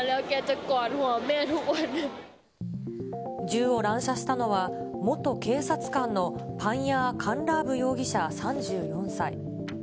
銃を乱射したのは、元警察官のパンヤー・カンラーブ容疑者３４歳。